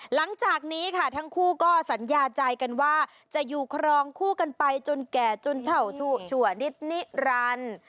หลังจากนี้ค่ะทั้งคู่ก็สัญญาใจกันว่าจะอยู่ครองคู่กันไปจนแก่จนเท่าชั่วนิดนิรันดิ์